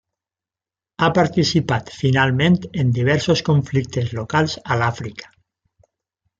Ha participat finalment en diversos conflictes locals a l'Àfrica.